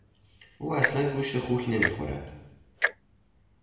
او اصلا گوشت خوک نمیخورد.